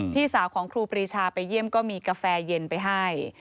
พี่สาวของครูปรีชาไปเยี่ยมก็มีกาแฟเย็นไปให้